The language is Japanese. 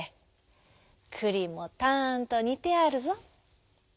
くりもたんとにてあるぞ」。